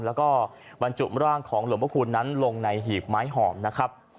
แล้วก็บรรจุร่างของหลวงพระคุณนั้นลงในหีบไม้หอมนะครับ